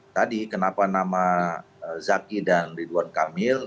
tadi kenapa nama zaki dan ridwan kamil